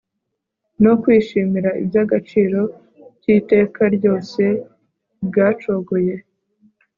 no kwishimira ibyagaciro kiteka ryose bwacogoye